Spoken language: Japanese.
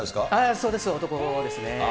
そうです、男ですね。